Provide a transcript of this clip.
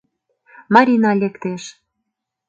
Марина лектеш.